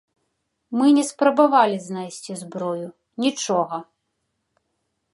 Мы не спрабавалі знайсці зброю, нічога.